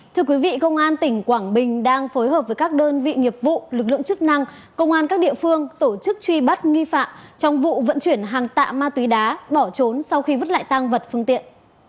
thưa quý vị công an tỉnh quảng bình đang phối hợp với các đơn vị nghiệp vụ lực lượng chức năng công an các địa phương tổ chức truy bắt nghi phạm trong vụ vận chuyển hàng tạ ma túy đá bỏ trốn sau khi vứt lại tăng vật phương tiện